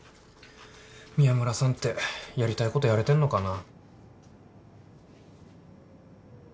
宮村さんってやりたいことやれてるのかな。